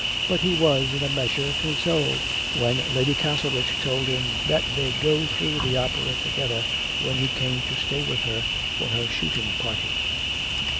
But he was in a measure consoled when Lady Castlerich told him that they'd go through the opera together when he came to stay with her for her shooting party.